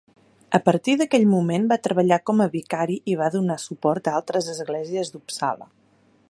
A partir d'aquell moment, va treballar com a vicari i va donar suport a altres esglésies d'Uppsala.